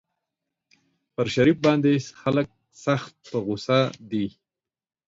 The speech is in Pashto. پر شريف باندې خلک سخت په غوسه دي.